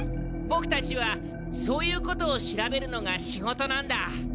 ボクたちはそういうことを調べるのが仕事なんだ。